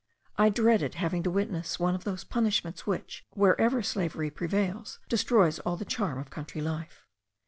I dreaded having to witness one of those punishments which, wherever slavery prevails, destroys all the charm of a country life.